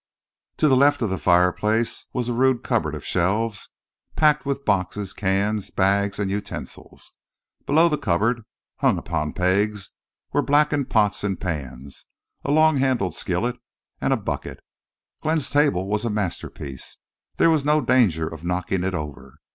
To the left of the fireplace was a rude cupboard of shelves, packed with boxes, cans, bags, and utensils. Below the cupboard, hung upon pegs, were blackened pots and pans, a long handled skillet, and a bucket. Glenn's table was a masterpiece. There was no danger of knocking it over.